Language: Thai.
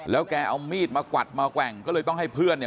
แล้วแกเอามีดมากวัดมาแกว่งก็เลยต้องให้เพื่อนเนี่ย